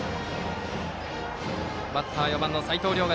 バッターは４番の齋藤崚雅。